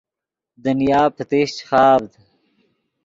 دنیا پتیشچ خاڤد